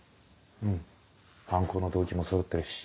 うん犯行の動機もそろってるし。